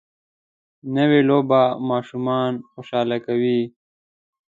نوې لوبه ماشومان خوشحاله کوي